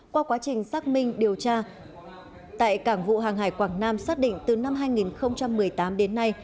qua quá trình xác minh điều tra tại cảng vụ hàng hải quảng nam xác định từ năm hai nghìn một mươi tám đến nay